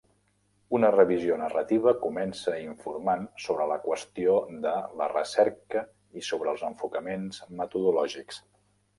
Una revisió narrativa comença informant sobre la qüestió de la recerca i sobre els enfocaments metodològics.